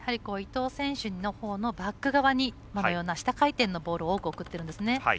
伊藤選手のほうのバック側に、今のような下回転のボールを多く送っているんですね。